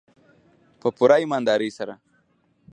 په پوره ایمانداري سره.